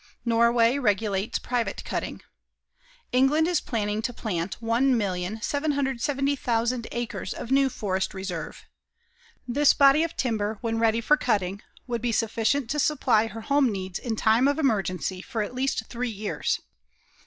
Norway regulates private cutting. England is planning to plant 1,770,000 acres of new forest reserve. This body of timber when ready for cutting, would be sufficient to supply her home needs in time of emergency for at least three years.